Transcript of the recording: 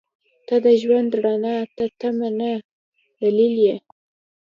• ته د ژوند رڼا ته تمه نه، دلیل یې.